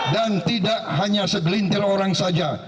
dan tidak hanya segelintir orang saja